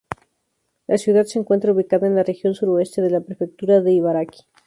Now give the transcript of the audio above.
La ciudad se encuentra ubicada en la región suroeste de la Prefectura de Ibaraki.